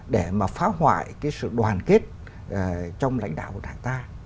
để mà phá hoại cái sự đoàn kết trong lãnh đạo của đảng ta